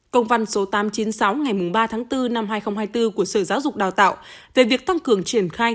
công văn số tám trăm chín mươi sáu ngày ba tháng bốn năm hai nghìn hai mươi bốn của sở giáo dục đào tạo về việc tăng cường triển khai